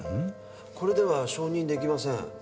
これでは承認できません。